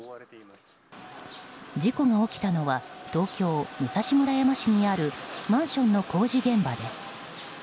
事故が起きたのは東京・武蔵村山市にあるマンションの工事現場です。